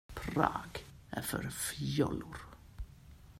Prag är för fjollor.